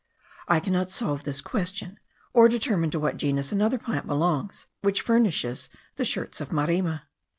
I cannot solve this question, or determine to what genus another plant belongs, which furnishes the shirts of marima.